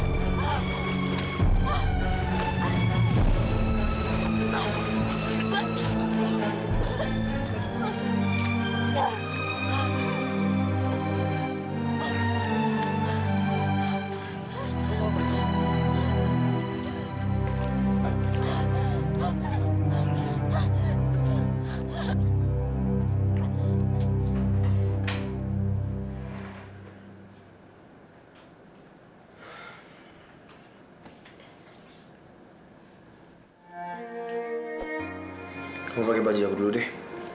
kamu pakai baju aku dulu deh